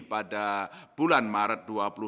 pada bulan maret dua ribu dua puluh